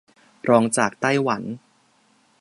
รองจากไต้หวัน